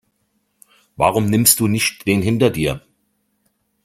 Warum nimmst du nicht den hinter dir?